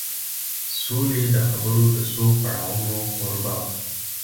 سولې د خبرو د څو پړاوونو کوربه و